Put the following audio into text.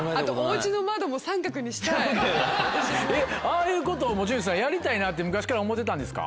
ああいうことを持ち主さんやりたいなって昔から思うてたんですか？